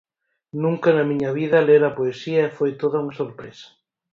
Nunca na miña vida lera poesía e foi toda unha sorpresa!